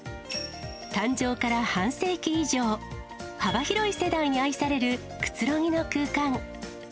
誕生から半世紀以上、幅広い世代に愛される、くつろぎの空間。